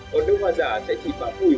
còn nước hoa giả sẽ chỉ bám phùi